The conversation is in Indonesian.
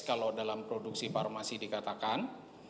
kalau dalam produksi farmasi dikatakan